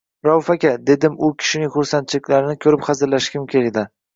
– Rauf aka! – dedim u kishining xursandchiliklarini ko’rib xazillashgim keldi